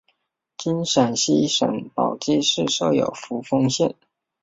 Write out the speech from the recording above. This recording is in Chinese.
今陕西省宝鸡市设有扶风县。